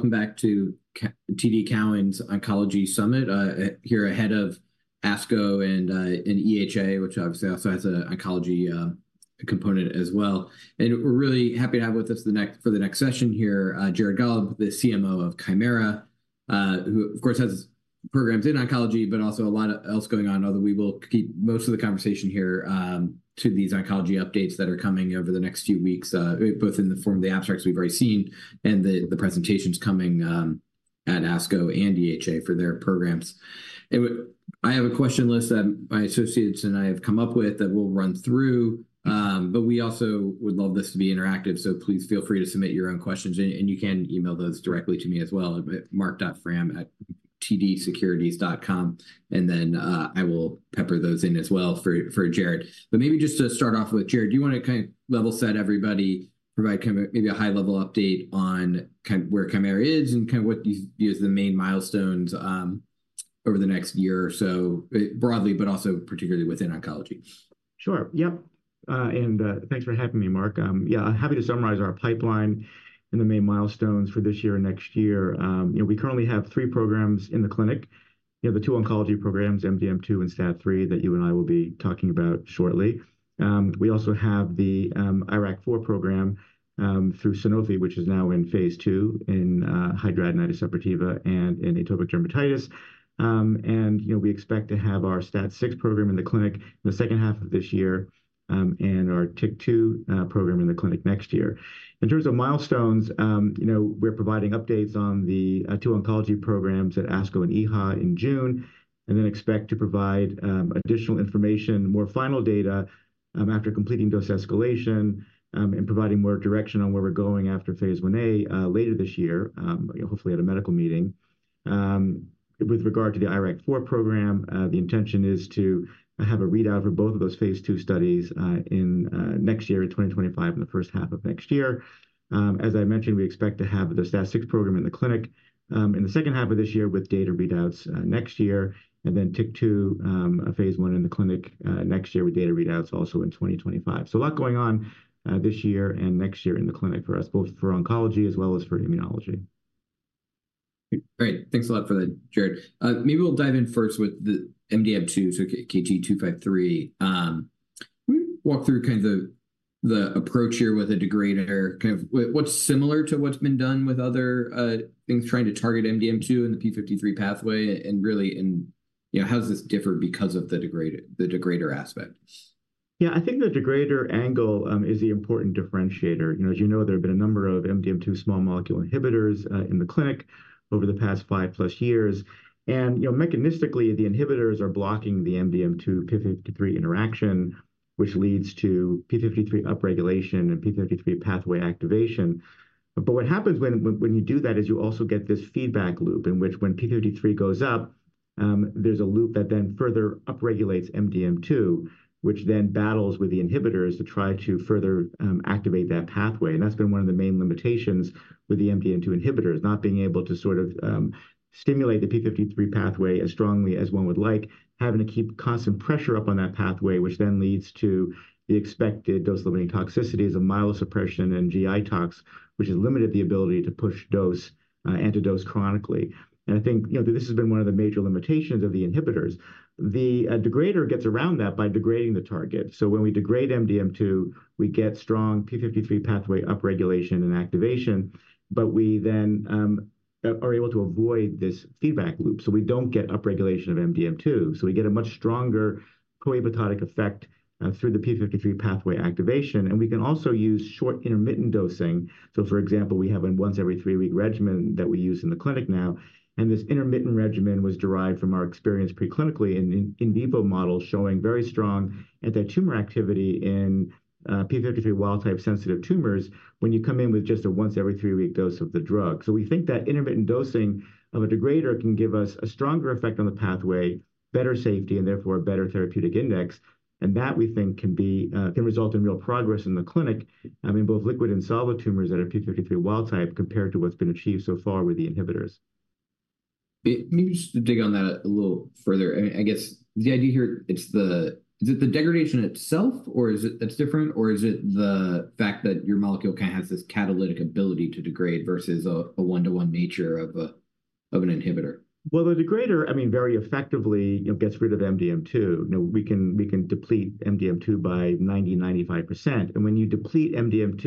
Hi, everyone. Welcome back to TD Cowen's Oncology Summit here ahead of ASCO and EHA, which obviously also has an oncology component as well. We're really happy to have with us for the next session here, Jared Gollob, the CMO of Kymera Therapeutics, who, of course, has programs in oncology, but also a lot of else going on. Although we will keep most of the conversation here to these oncology updates that are coming over the next few weeks, both in the form of the abstracts we've already seen and the presentations coming at ASCO and EHA for their programs. I have a question list that my associates and I have come up with that we'll run through, but we also would love this to be interactive, so please feel free to submit your own questions, and you can email those directly to me as well at marc.frahm@tdcowen.com, and then I will pepper those in as well for Jared. Maybe just to start off with, Jared, do you wanna kind of level set everybody, provide kind of maybe a high-level update on kind of where Kymera is and kind of what you view as the main milestones over the next year or so, broadly, but also particularly within oncology? Sure. Yep, thanks for having me, Marc. Yeah, happy to summarize our pipeline and the main milestones for this year and next year. You know, we currently have three programs in the clinic. You know, the two oncology programs, MDM2 and STAT3, that you and I will be talking about shortly. We also have the IRAK4 program through Sanofi, which is now in Phase II in hidradenitis suppurativa and in atopic dermatitis. And, you know, we expect to have our STAT6 program in the clinic in the second half of this year, and our TYK2 program in the clinic next year. In terms of milestones, you know, we're providing updates on the two oncology programs at ASCO and EHA in June, and then expect to provide additional information, more final data, after completing dose escalation, and providing more direction on where we're going after Phase 1A, later this year, hopefully at a medical meeting. With regard to the IRAK4 program, the intention is to have a readout for both of those Phase II studies in next year, in 2025, in the first half of next year. As I mentioned, we expect to have the STAT6 program in the clinic in the second half of this year, with data readouts next year, and then TYK2, Phase 1 in the clinic next year, with data readouts also in 2025. So a lot going on, this year and next year in the clinic for us, both for oncology as well as for immunology. Great. Thanks a lot for that, Jared. Maybe we'll dive in first with the MDM2, so KT-253. Can you walk through kind of the approach here with a degrader? Kind of what's similar to what's been done with other things trying to target MDM2 and the p53 pathway, and really, you know, how does this differ because of the degrader, the degrader aspect? Yeah, I think the degrader angle is the important differentiator. You know, as you know, there have been a number of MDM2 small molecule inhibitors in the clinic over the past five plus years, and, you know, mechanistically, the inhibitors are blocking the MDM2 p53 interaction, which leads to p53 upregulation and p53 pathway activation. But what happens when you do that is you also get this feedback loop, in which when p53 goes up, there's a loop that then further upregulates MDM2, which then battles with the inhibitors to try to further activate that pathway. And that's been one of the main limitations with the MDM2 inhibitors, not being able to sort of stimulate the p53 pathway as strongly as one would like, having to keep constant pressure up on that pathway, which then leads to the expected dose-limiting toxicities of myelosuppression and GI tox, which has limited the ability to push dose and to dose chronically. And I think, you know, this has been one of the major limitations of the inhibitors. The degrader gets around that by degrading the target. So when we degrade MDM2, we get strong p53 pathway upregulation and activation, but we then are able to avoid this feedback loop, so we don't get upregulation of MDM2. So we get a much stronger proapoptotic effect through the p53 pathway activation, and we can also use short, intermittent dosing. So for example, we have a once every three-week regimen that we use in the clinic now, and this intermittent regimen was derived from our experience preclinically in vivo models, showing very strong anti-tumor activity in p53 wild-type sensitive tumors when you come in with just a once every three-week dose of the drug. So we think that intermittent dosing of a degrader can give us a stronger effect on the pathway, better safety, and therefore a better therapeutic index, and that, we think, can result in real progress in the clinic in both liquid and solid tumors that are p53 wild type compared to what's been achieved so far with the inhibitors. Maybe just to dig on that a little further, I, I guess, the idea here, it's the, is it the degradation itself, or is it that's different, or is it the fact that your molecule kind of has this catalytic ability to degrade versus a, a one-to-one nature of a, of an inhibitor? Well, the degrader, I mean, very effectively, you know, gets rid of MDM2. You know, we can, we can deplete MDM2 by 90%-95%, and when you deplete MDM2,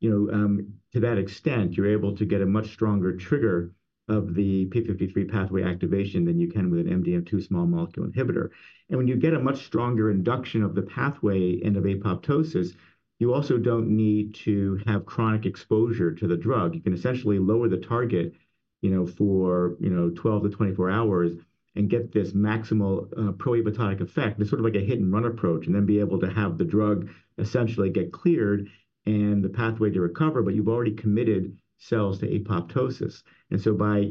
you know, to that extent, you're able to get a much stronger trigger of the p53 pathway activation than you can with an MDM2 small molecule inhibitor. And when you get a much stronger induction of the pathway and of apoptosis, you also don't need to have chronic exposure to the drug. You can essentially lower the target, you know, for, you know, 12-24 hours and get this maximal, proapoptotic effect. It's sort of like a hit-and-run approach, and then be able to have the drug essentially get cleared and the pathway to recover, but you've already committed cells to apoptosis. And so by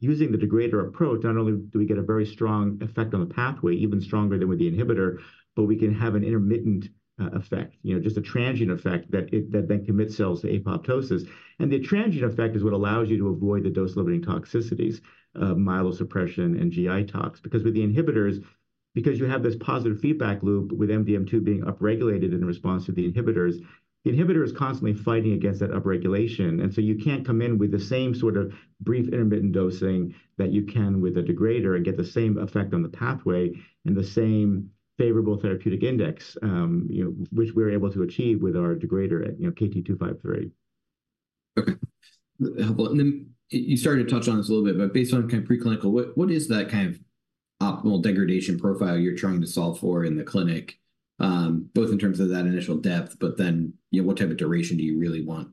using the degrader approach, not only do we get a very strong effect on the pathway, even stronger than with the inhibitor, but we can have an intermittent effect, you know, just a transient effect that then commits cells to apoptosis. The transient effect is what allows you to avoid the dose-limiting toxicities of myelosuppression and GI tox because you have this positive feedback loop with MDM2 being upregulated in response to the inhibitors. The inhibitor is constantly fighting against that upregulation, and so you can't come in with the same sort of brief intermittent dosing that you can with a degrader and get the same effect on the pathway and the same favorable therapeutic index, you know, which we're able to achieve with our degrader at, you know, KT-253. Okay. Helpful. And then you started to touch on this a little bit, but based on kind of preclinical, what is that kind of optimal degradation profile you're trying to solve for in the clinic, both in terms of that initial depth, but then, you know, what type of duration do you really want,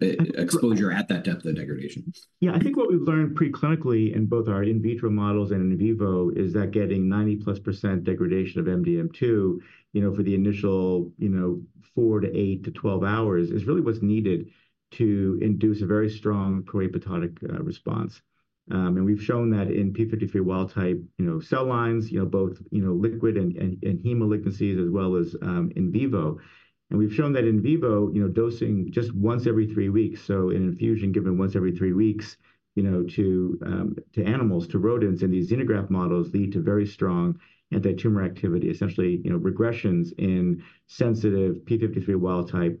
exposure at that depth of the degradation? Yeah, I think what we've learned preclinically in both our in vitro models and in vivo is that getting 90+% degradation of MDM2, you know, for the initial, you know, four to eight to 12 hours, is really what's needed to induce a very strong pro-apoptotic response. And we've shown that in p53 wild-type, you know, cell lines, you know, both, you know, liquid and hematologic diseases as well as in vivo. And we've shown that in vivo, you know, dosing just once every three weeks, so an infusion given once every three weeks, you know, to animals, to rodents in these xenograft models, lead to very strong anti-tumor activity. Essentially, you know, regressions in sensitive p53 wild-type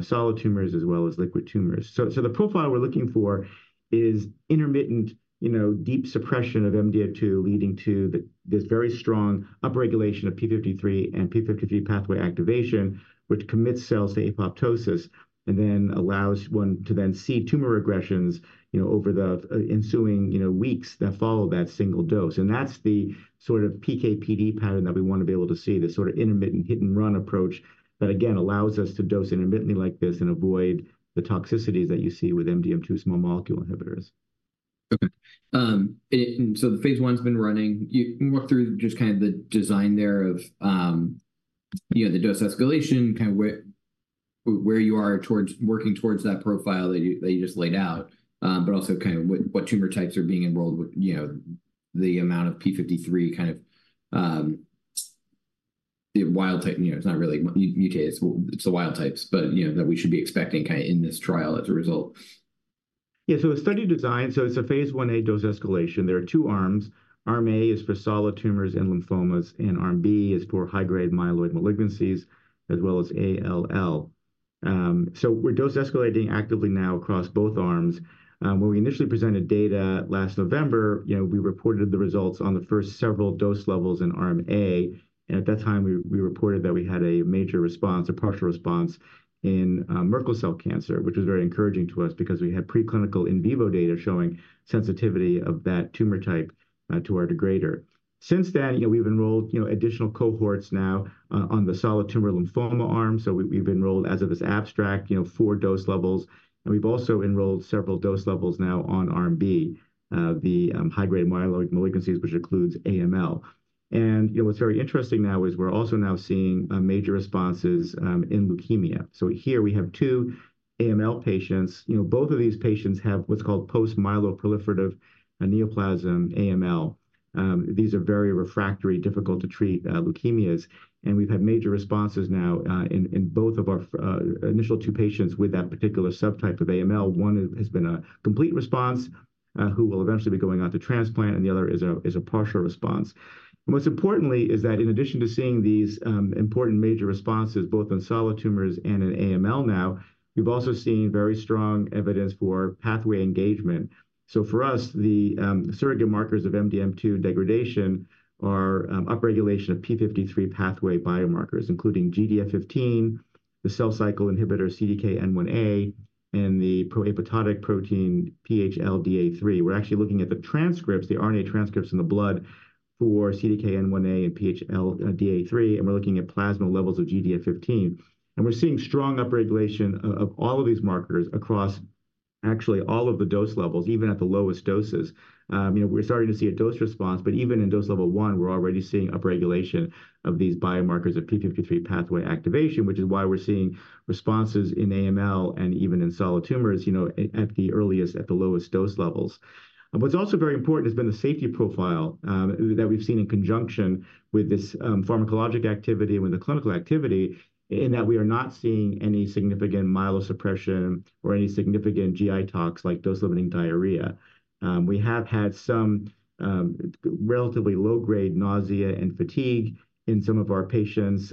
solid tumors as well as liquid tumors. So, the profile we're looking for is intermittent, you know, deep suppression of MDM2, leading to this very strong upregulation of p53 and p53 pathway activation, which commits cells to apoptosis and then allows one to then see tumor regressions, you know, over the ensuing, you know, weeks that follow that single dose. That's the sort of PK/PD pattern that we wanna be able to see, the sort of intermittent hit-and-run approach that, again, allows us to dose intermittently like this and avoid the toxicities that you see with MDM2 small molecule inhibitors. Okay. And so the Phase I's been running. You can walk through just kind of the design there of, you know, the dose escalation, kind of where, where you are working towards that profile that you, that you just laid out, but also kind of what, what tumor types are being enrolled with, you know, the amount of p53 kind of the wild type. You know, it's not really mutated, it's the wild types, but, you know, that we should be expecting kind of in this trial as a result. Yeah, so the study design, so it's a Phase 1A dose-escalation. There are two arms. Arm A is for solid tumors and lymphomas, and Arm B is for high-grade myeloid malignancies, as well as ALL. So we're dose-escalating actively now across both arms. When we initially presented data last November, you know, we reported the results on the first several dose levels in Arm A. And at that time, we, we reported that we had a major response, a partial response in Merkel cell carcinoma, which was very encouraging to us because we had preclinical in vivo data showing sensitivity of that tumor type to our degrader. Since then, you know, we've enrolled, you know, additional cohorts now on the solid tumor lymphoma arm, so we, we've enrolled, as of this abstract, you know, four dose levels, and we've also enrolled several dose levels now on Arm B, the high-grade myeloid malignancies, which includes AML. You know, what's very interesting now is we're also now seeing major responses in leukemia. So here we have 2 AML patients. You know, both of these patients have what's called post-myeloproliferative neoplasm AML. These are very refractory, difficult-to-treat leukemias, and we've had major responses now in both of our initial two patients with that particular subtype of AML. One has been a complete response who will eventually be going on to transplant, and the other is a partial response. Most importantly is that in addition to seeing these important major responses, both in solid tumors and in AML now, we've also seen very strong evidence for pathway engagement. So for us, the surrogate markers of MDM2 degradation are upregulation of p53 pathway biomarkers, including GDF-15, the cell cycle inhibitor, CDKN1A, and the proapoptotic protein, PHLDA3. We're actually looking at the transcripts, the RNA transcripts in the blood for CDKN1A and PHLDA3, and we're looking at plasma levels of GDF-15. And we're seeing strong upregulation of all of these markers across actually all of the dose levels, even at the lowest doses. You know, we're starting to see a dose response, but even in dose level 1, we're already seeing upregulation of these biomarkers of p53 pathway activation, which is why we're seeing responses in AML and even in solid tumors, you know, at the earliest, at the lowest dose levels. What's also very important has been the safety profile that we've seen in conjunction with this pharmacologic activity and with the clinical activity, in that we are not seeing any significant myelosuppression or any significant GI tox, like dose-limiting diarrhea. We have had some relatively low-grade nausea and fatigue in some of our patients,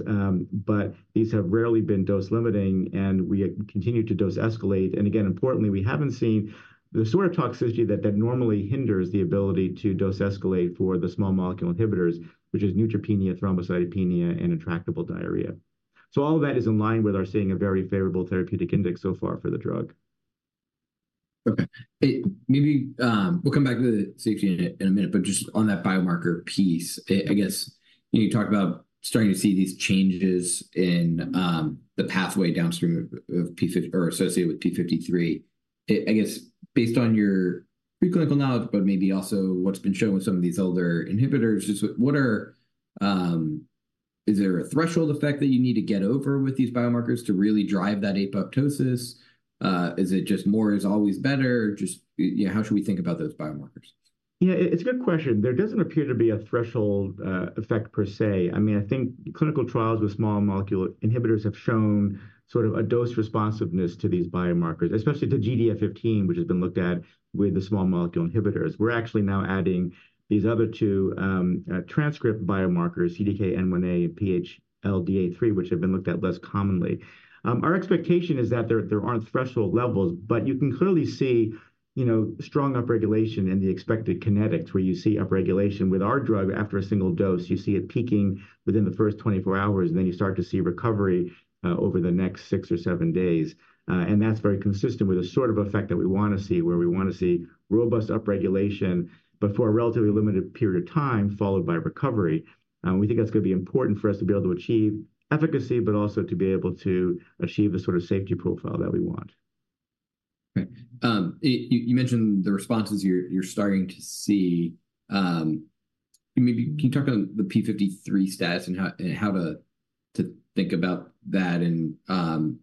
but these have rarely been dose limiting, and we have continued to dose escalate. Again, importantly, we haven't seen the sort of toxicity that normally hinders the ability to dose escalate for the small molecule inhibitors, which is neutropenia, thrombocytopenia, and intractable diarrhea. All of that is in line with our seeing a very favorable therapeutic index so far for the drug. Okay. Maybe we'll come back to the safety in a minute, but just on that biomarker piece, I guess, you know, you talk about starting to see these changes in the pathway downstream of p53 or associated with p53. I guess, based on your preclinical knowledge, but maybe also what's been shown with some of these older inhibitors, just what are, is there a threshold effect that you need to get over with these biomarkers to really drive that apoptosis? Is it just more is always better? Just, you know, how should we think about those biomarkers? Yeah, it, it's a good question. There doesn't appear to be a threshold, effect per se. I mean, I think clinical trials with small molecule inhibitors have shown sort of a dose responsiveness to these biomarkers, especially to GDF-15, which has been looked at with the small molecule inhibitors. We're actually now adding these other two, transcript biomarkers, CDKN1A and PHLDA3, which have been looked at less commonly. Our expectation is that there, there aren't threshold levels, but you can clearly see, you know, strong upregulation in the expected kinetics, where you see upregulation. With our drug, after a single dose, you see it peaking within the first 24 hours, and then you start to see recovery, over the next six or seven days. That's very consistent with the sort of effect that we wanna see, where we wanna see robust upregulation, but for a relatively limited period of time, followed by recovery. We think that's gonna be important for us to be able to achieve efficacy, but also to be able to achieve the sort of safety profile that we want. Right. You mentioned the responses you're starting to see. Maybe can you talk about the p53 status and how to think about that? And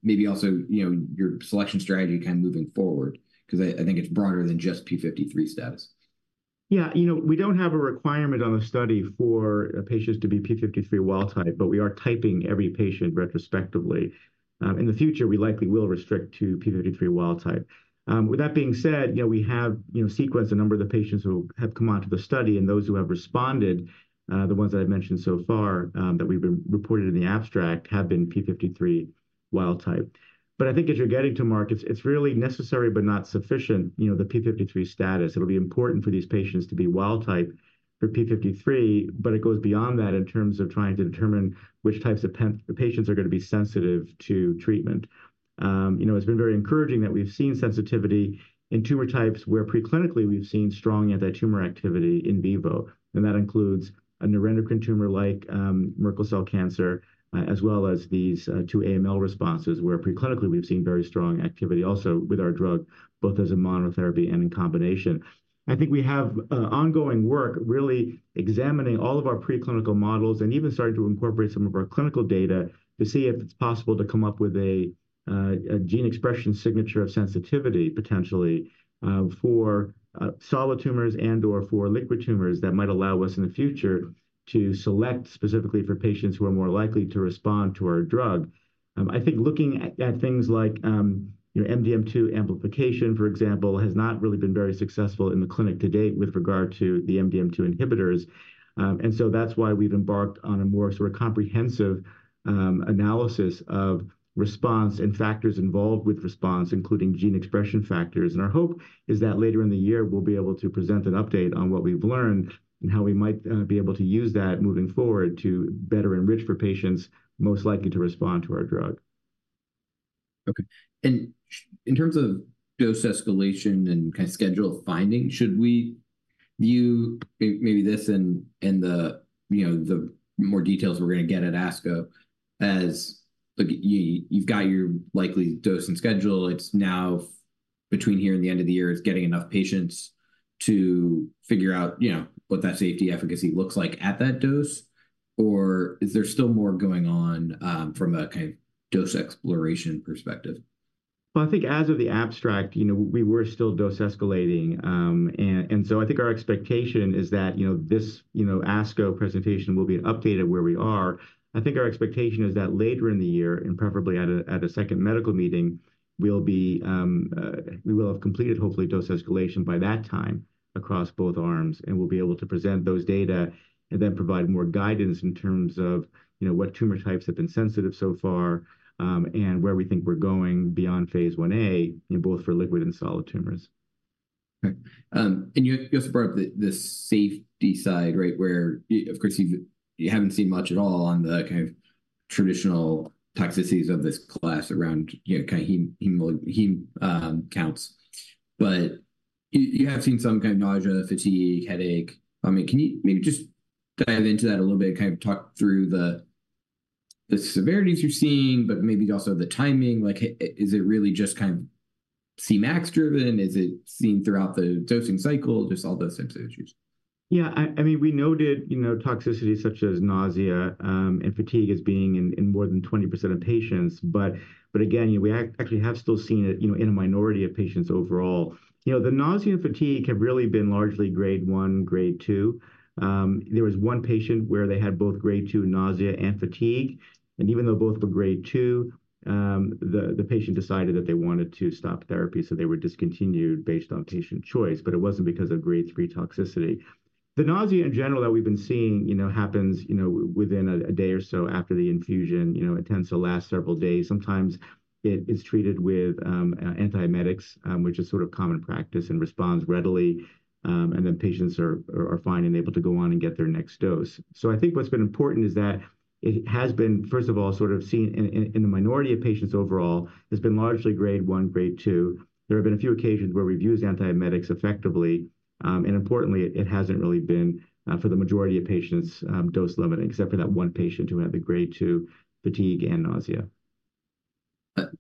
maybe also, you know, your selection strategy kind of moving forward, 'cause I think it's broader than just p53 status. Yeah, you know, we don't have a requirement on the study for patients to be p53 wild type, but we are typing every patient retrospectively. In the future, we likely will restrict to p53 wild type. With that being said, you know, we have, you know, sequenced a number of the patients who have come onto the study, and those who have responded, the ones that I've mentioned so far, that we've been reported in the abstract, have been p53 wild type. But I think as you're getting to markets, it's really necessary but not sufficient, you know, the p53 status. It'll be important for these patients to be wild type for p53, but it goes beyond that in terms of trying to determine which types of patients are gonna be sensitive to treatment. You know, it's been very encouraging that we've seen sensitivity in tumor types, where preclinically, we've seen strong anti-tumor activity in vivo, and that includes a neuroendocrine tumor-like Merkel cell cancer, as well as these two AML responses, where preclinically, we've seen very strong activity also with our drug, both as a monotherapy and in combination. I think we have ongoing work really examining all of our preclinical models and even starting to incorporate some of our clinical data to see if it's possible to come up with a gene expression signature of sensitivity, potentially, for solid tumors and/or for liquid tumors that might allow us in the future to select specifically for patients who are more likely to respond to our drug. I think looking at things like, you know, MDM2 amplification, for example, has not really been very successful in the clinic to date with regard to the MDM2 inhibitors. And so that's why we've embarked on a more sort of comprehensive analysis of response and factors involved with response, including gene expression factors. And our hope is that later in the year, we'll be able to present an update on what we've learned and how we might be able to use that moving forward to better enrich for patients most likely to respond to our drug. Okay. And in terms of dose escalation and kind of schedule finding, should we view maybe this and the, you know, the more details we're gonna get at ASCO as, look, you, you've got your likely dose and schedule. It's now between here and the end of the year, it's getting enough patients to figure out, you know, what that safety efficacy looks like at that dose? Or is there still more going on from a kind of dose exploration perspective? Well, I think as of the abstract, you know, we were still dose escalating. And so I think our expectation is that, you know, this, you know, ASCO presentation will be an update of where we are. I think our expectation is that later in the year, and preferably at a second medical meeting, we will have completed, hopefully, dose escalation by that time across both arms, and we'll be able to present those data and then provide more guidance in terms of, you know, what tumor types have been sensitive so far, and where we think we're going beyond Phase 1A, you know, both for liquid and solid tumors. Okay. And you also brought up the safety side, right, where of course, you haven't seen much at all on the kind of traditional toxicities of this class around, you know, kind of hem counts. But you have seen some kind of nausea, fatigue, headache. I mean, can you maybe just dive into that a little bit, kind of talk through the severities you're seeing, but maybe also the timing? Like, is it really just kind of Cmax-driven? Is it seen throughout the dosing cycle? Just all those types of issues. Yeah, I mean, we noted, you know, toxicity such as nausea and fatigue as being in more than 20% of patients. But again, we actually have still seen it, you know, in a minority of patients overall. You know, the nausea and fatigue have really been largely Grade 1, Grade 2. There was one patient where they had both Grade 2 nausea and fatigue, and even though both were Grade 2, the patient decided that they wanted to stop therapy, so they were discontinued based on patient choice, but it wasn't because of Grade 3 toxicity. The nausea in general that we've been seeing, you know, happens, you know, within a day or so after the infusion. You know, it tends to last several days. Sometimes it is treated with antiemetics, which is sort of common practice and responds readily, and then patients are fine and able to go on and get their next dose. So I think what's been important is that it has been, first of all, sort of seen in the minority of patients overall, has been largely Grade 1, Grade 2. There have been a few occasions where we've used antiemetics effectively, and importantly, it hasn't really been for the majority of patients dose limiting, except for that one patient who had the Grade 2 fatigue and nausea.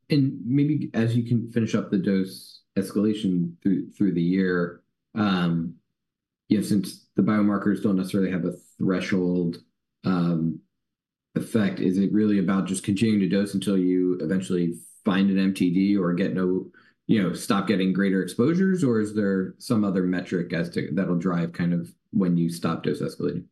And maybe as you can finish up the dose escalation through the year, you know, since the biomarkers don't necessarily have a threshold effect, is it really about just continuing to dose until you eventually find an MTD or you know, stop getting greater exposures, or is there some other metric as to that'll drive kind of when you stop dose escalating?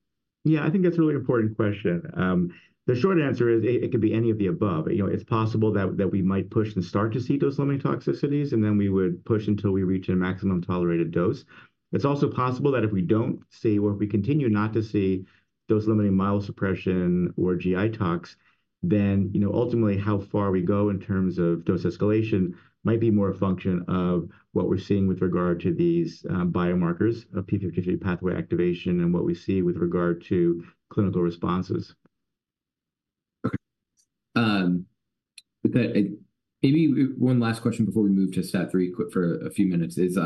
Yeah, I think that's a really important question. The short answer is, it, it could be any of the above. You know, it's possible that, that we might push and start to see those limiting toxicities, and then we would push until we reach a maximum tolerated dose. It's also possible that if we don't see or if we continue not to see dose-limiting myelosuppression or GI tox, then, you know, ultimately, how far we go in terms of dose escalation might be more a function of what we're seeing with regard to these, biomarkers of p53 pathway activation and what we see with regard to clinical responses. Okay. With that, maybe one last question before we move to STAT3 quick for a few minutes is,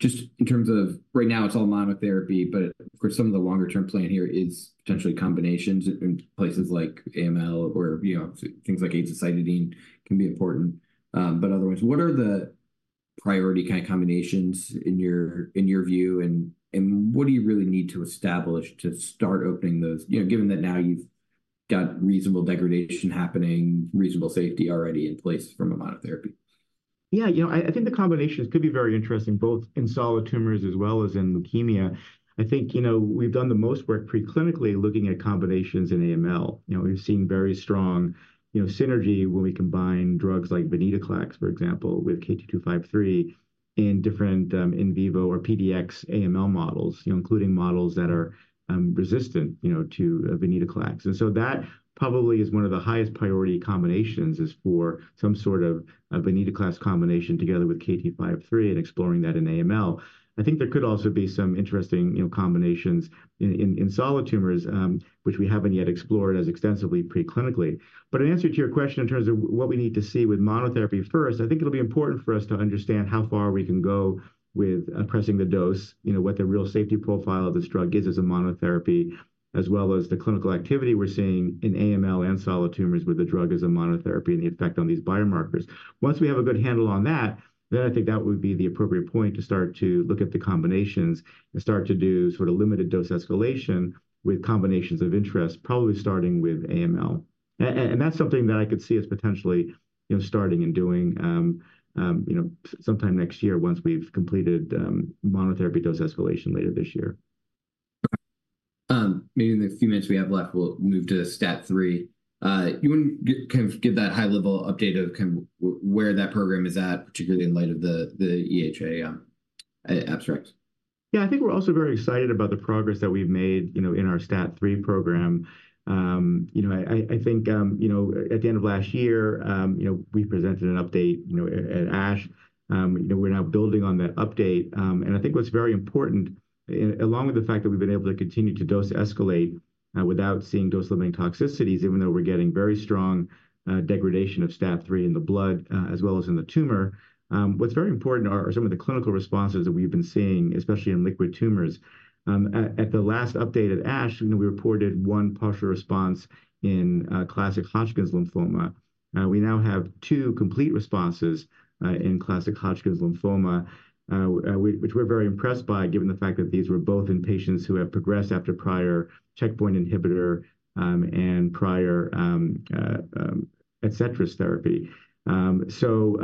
just in terms of right now, it's all monotherapy, but of course, some of the longer-term plan here is potentially combinations in places like AML, where, you know, things like azacitidine can be important. But otherwise, what are the priority kind of combinations in your, in your view, and, and what do you really need to establish to start opening those? You know, given that now you've got reasonable degradation happening, reasonable safety already in place from a monotherapy. Yeah, you know, I, I think the combinations could be very interesting, both in solid tumors as well as in leukemia. I think, you know, we've done the most work preclinically, looking at combinations in AML. You know, we've seen very strong, you know, synergy when we combine drugs like venetoclax, for example, with KT-253 in different, in vivo or PDX AML models, you know, including models that are, resistant, you know, to, venetoclax. And so that probably is one of the highest priority combinations is for some sort of a venetoclax combination together with KT-253 and exploring that in AML. I think there could also be some interesting, you know, combinations in, in, in solid tumors, which we haven't yet explored as extensively preclinically. But in answer to your question, in terms of what we need to see with monotherapy first, I think it'll be important for us to understand how far we can go with pressing the dose, you know, what the real safety profile of this drug is as a monotherapy, as well as the clinical activity we're seeing in AML and solid tumors with the drug as a monotherapy and the effect on these biomarkers. Once we have a good handle on that, then I think that would be the appropriate point to start to look at the combinations and start to do sort of limited dose escalation with combinations of interest, probably starting with AML. And that's something that I could see us potentially, you know, starting and doing, you know, sometime next year, once we've completed monotherapy dose escalation later this year. Maybe in the few minutes we have left, we'll move to STAT3. You wanna kind of give that high-level update of kind of where that program is at, particularly in light of the EHA abstract? Yeah, I think we're also very excited about the progress that we've made, you know, in our STAT3 program. You know, I think, you know, at the end of last year, you know, we presented an update, you know, at ASH. You know, we're now building on that update. And I think what's very important, along with the fact that we've been able to continue to dose escalate, without seeing dose-limiting toxicities, even though we're getting very strong, degradation of STAT3 in the blood, as well as in the tumor. What's very important are some of the clinical responses that we've been seeing, especially in liquid tumors. At the last update at ASH, you know, we reported one partial response in classic Hodgkin's lymphoma. We now have two complete responses in classic Hodgkin's lymphoma, which we're very impressed by, given the fact that these were both in patients who have progressed after prior checkpoint inhibitor and prior Adcetris therapy. So,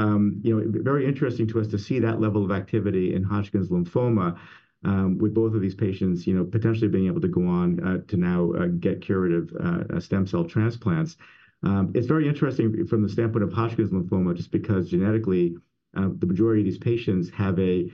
you know, very interesting to us to see that level of activity in Hodgkin's lymphoma with both of these patients, you know, potentially being able to go on to now get curative stem cell transplants. It's very interesting from the standpoint of Hodgkin's lymphoma, just because genetically the majority of these patients have a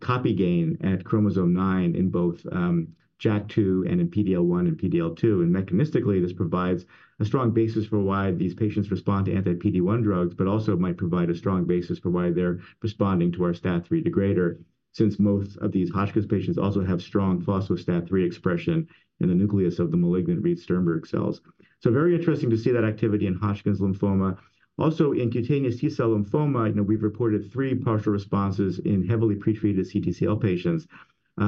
copy gain at chromosome nine in both JAK2 and in PD-L1 and PD-L2. And mechanistically, this provides a strong basis for why these patients respond to anti-PD-1 drugs, but also might provide a strong basis for why they're responding to our STAT-3 degrader, since most of these Hodgkin's patients also have strong phospho-STAT3 expression in the nucleus of the malignant Reed-Sternberg cells. So very interesting to see that activity in Hodgkin's lymphoma. Also, in cutaneous T-cell lymphoma, you know, we've reported three partial responses in heavily pretreated CTCL patients,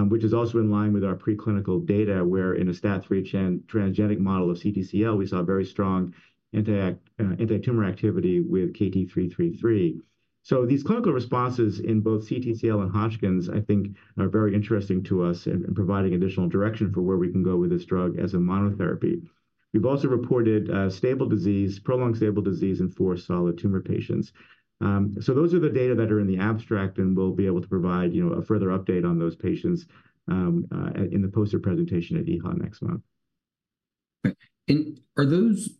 which is also in line with our preclinical data, where in a STAT-3 transgenic model of CTCL, we saw very strong antitumor activity with KT-333. So these clinical responses in both CTCL and Hodgkin's, I think, are very interesting to us in providing additional direction for where we can go with this drug as a monotherapy. We've also reported stable disease prolonged stable disease in four solid tumor patients. So those are the data that are in the abstract, and we'll be able to provide, you know, a further update on those patients, in the poster presentation at EHA next month. Okay. And are those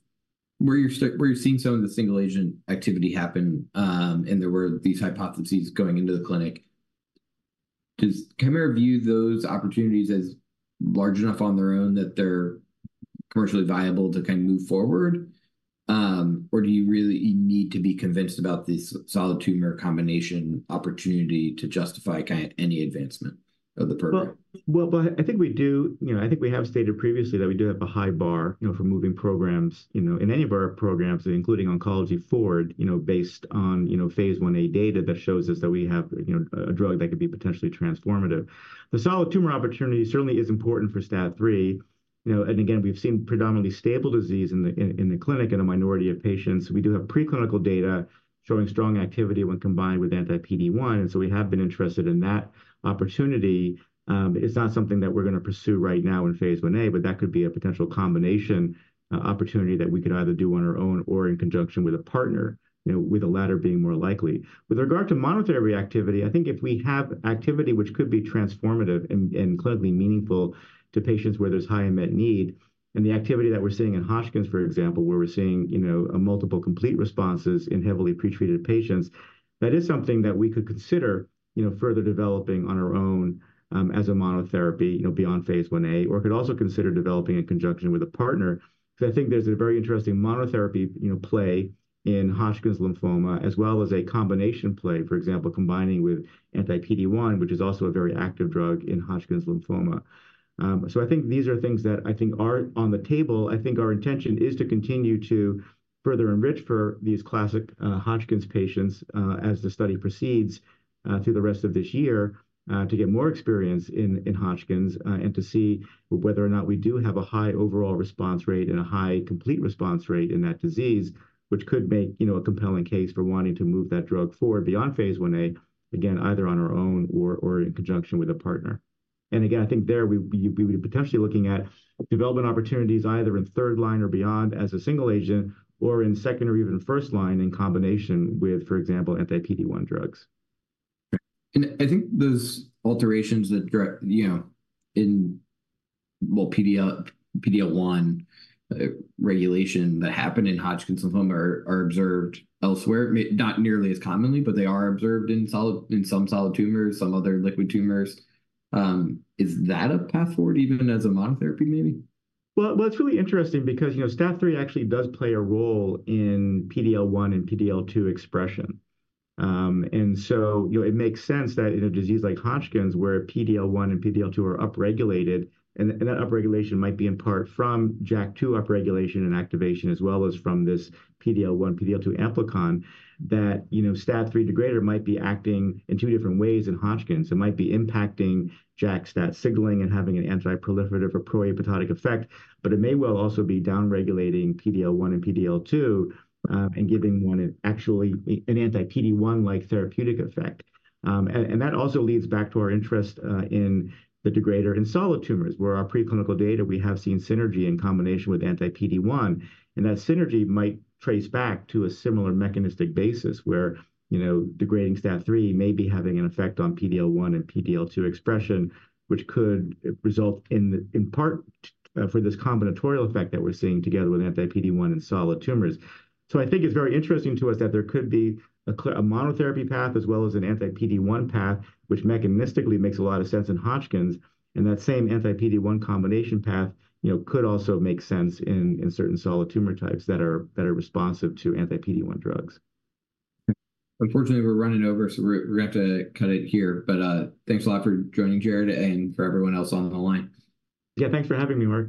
where you're seeing some of the single-agent activity happen, and there were these hypotheses going into the clinic? Does Kymera view those opportunities as large enough on their own that they're commercially viable to kind of move forward, or do you really need to be convinced about this solid tumor combination opportunity to justify any advancement of the program? Well, but I think we do. You know, I think we have stated previously that we do have a high bar, you know, for moving programs, you know, in any of our programs, including oncology forward, you know, based on, you know, phase 1a data that shows us that we have, you know, a drug that could be potentially transformative. The solid tumor opportunity certainly is important for STAT3, you know, and again, we've seen predominantly stable disease in the clinic in a minority of patients. We do have preclinical data showing strong activity when combined with anti-PD-1, and so we have been interested in that opportunity. It's not something that we're gonna pursue right now in phase 1a, but that could be a potential combination opportunity that we could either do on our own or in conjunction with a partner, you know, with the latter being more likely. With regard to monotherapy activity, I think if we have activity which could be transformative and, and clinically meaningful to patients where there's high unmet need, and the activity that we're seeing in Hodgkin's, for example, where we're seeing, you know, a multiple complete responses in heavily pre-treated patients, that is something that we could consider, you know, further developing on our own, as a monotherapy, you know, beyond Phase 1a, or could also consider developing in conjunction with a partner. So I think there's a very interesting monotherapy, you know, play in Hodgkin's lymphoma, as well as a combination play, for example, combining with anti-PD-1, which is also a very active drug in Hodgkin's lymphoma. So I think these are things that I think are on the table. I think our intention is to continue to further enrich for these classic Hodgkin's patients, as the study proceeds, through the rest of this year, to get more experience in Hodgkin's, and to see whether or not we do have a high overall response rate and a high complete response rate in that disease, which could make, you know, a compelling case for wanting to move that drug forward beyond phase 1a, again, either on our own or in conjunction with a partner. And again, I think there we'd be potentially looking at development opportunities either in third line or beyond as a single agent or in second or even first line in combination with, for example, anti-PD-1 drugs. I think those alterations that direct, you know, in, well, PD-L1, regulation that happen in Hodgkin's lymphoma are, are observed elsewhere, may not nearly as commonly, but they are observed in solid, in some solid tumors, some other liquid tumors. Is that a path forward, even as a monotherapy, maybe? Well, well, it's really interesting because, you know, STAT3 actually does play a role in PD-L1 and PD-L2 expression. And so, you know, it makes sense that in a disease like Hodgkin's, where PD-L1 and PD-L2 are upregulated, and that upregulation might be in part from JAK2 upregulation and activation, as well as from this PD-L1, PD-L2 amplicon, that, you know, STAT3 degrader might be acting in two different ways in Hodgkin's. It might be impacting JAK-STAT signaling and having an anti-proliferative or pro-apoptotic effect, but it may well also be downregulating PD-L1 and PD-L2, and giving one an actually, an anti-PD-1-like therapeutic effect. That also leads back to our interest in the degrader in solid tumors, where our preclinical data, we have seen synergy in combination with anti-PD-1, and that synergy might trace back to a similar mechanistic basis where, you know, degrading STAT3 may be having an effect on PD-L1 and PD-L2 expression, which could result in, in part, for this combinatorial effect that we're seeing together with anti-PD-1 in solid tumors. So I think it's very interesting to us that there could be a monotherapy path as well as an anti-PD-1 path, which mechanistically makes a lot of sense in Hodgkin's, and that same anti-PD-1 combination path, you know, could also make sense in certain solid tumor types that are responsive to anti-PD-1 drugs. Unfortunately, we're running over, so we're gonna have to cut it here. But, thanks a lot for joining, Jared, and for everyone else on the line. Yeah, thanks for having me, Marc.